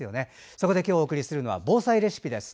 そこで今日お送りするのは防災レシピです。